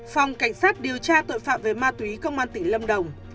phòng cảnh sát điều tra tội phạm về ma túy công an tỉnh lâm đồng